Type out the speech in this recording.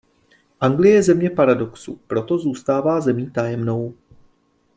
Anglie je země paradoxů; proto zůstává zemí tajemnou.